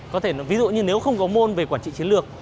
có thể ví dụ như nếu không có môn về quản trị chiến lược